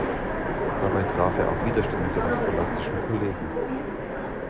Dabei traf er auf Widerstände seiner scholastischen Kollegen.